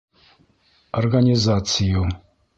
«, организацию»;